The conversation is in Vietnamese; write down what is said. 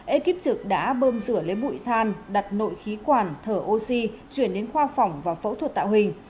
ekip trực đã bơm rửa lấy bụi than đặt nội khí quản thở oxy chuyển đến khoa phòng và phẫu thuật tạo hình